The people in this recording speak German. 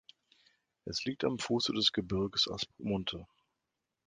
Es liegt am Fuße des Gebirges Aspromonte.